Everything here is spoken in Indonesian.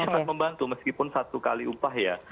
sangat membantu meskipun satu kali upah ya